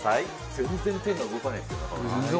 全然ペンが動かないですよ。